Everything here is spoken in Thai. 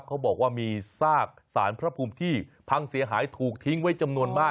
เขาบอกว่ามีซากสารพระภูมิที่พังเสียหายถูกทิ้งไว้จำนวนมาก